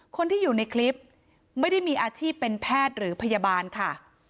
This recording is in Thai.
คนที่อยู่ในคลิปไม่ได้มีอาชีพเป็นแพทย์หรือพยาบาลค่ะ